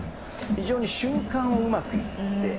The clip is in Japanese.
非常に瞬間をうまく言って。